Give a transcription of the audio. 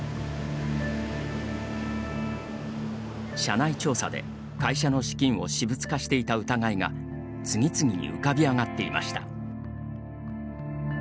社内調査で、会社の資金を私物化していた疑いが次々に浮かび上がっていました。